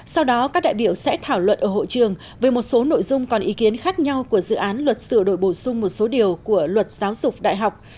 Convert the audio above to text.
sau đó các đại biểu sẽ thảo luận ở hội trường về một số nội dung còn ý kiến khác nhau của dự án luật sửa đổi bổ sung một số điều của luật giáo dục đại học